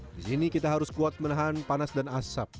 di sini kita harus kuat menahan panas dan asap